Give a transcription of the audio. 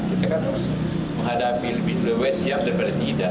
kita kan harus menghadapi lebih lewes siap daripada tidak